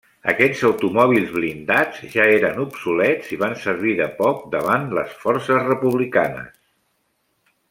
Aquests automòbils blindats ja eren obsolets i van servir de poc davant les forces republicanes.